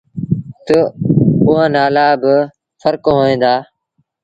تا اُئآݩ نآلآ با ڦرڪ هوئين دآ۔